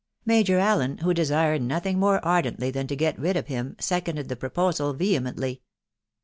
Major Allen, who desired nothing more ardently than to get rid of him, seconded the proposal vehemently.